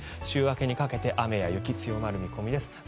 週明けにかけて雨や雪が強まる見込みです。